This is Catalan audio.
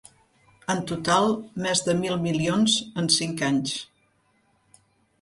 En total, més de mil milions en cinc anys.